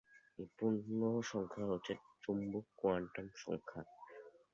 এই পূর্ণ সংখ্যাগুলো হচ্ছে চৌম্বক কোয়ান্টাম সংখ্যা।